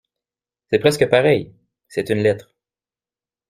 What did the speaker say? C’est presque pareil. C’est une lettre.